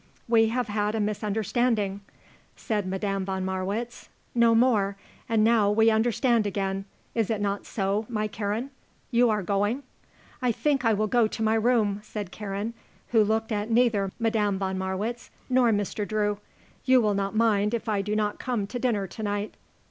"We have had a misunderstanding," said Madame von Marwitz. "No more. And now we understand again. Is it not so, my Karen? You are going?" "I think I will go to my room," said Karen, who looked at neither Madame von Marwitz nor Mr. Drew. "You will not mind if I do not come to dinner to night."